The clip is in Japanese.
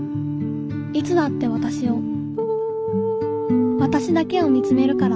いつだってわたしをわたしだけを見つめるから